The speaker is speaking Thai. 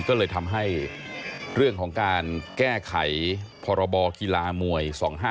ก็เลยทำให้เรื่องของการแก้ไขพรบกีฬามวย๒๕๖